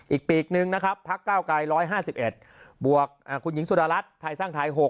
อีกปีกหนึ่งนะครับพักเก้าไกร๑๕๑บวกคุณหญิงสุดารัฐไทยสร้างไทย๖